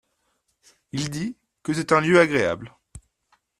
Il dit que c’est un lieu agréable.